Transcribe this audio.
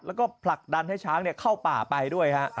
แล้วก็ผลักดันให้ช้างเข้าป่าไปด้วยฮะ